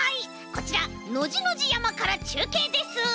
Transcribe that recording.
こちらノジノジやまからちゅうけいです。